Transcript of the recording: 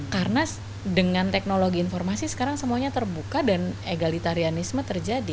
karena dengan teknologi informasi sekarang semuanya terbuka dan egalitarianisme terjadi